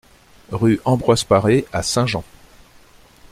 RUE AMBROISE PARE à Saint-Jean